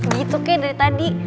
gitu kay dari tadi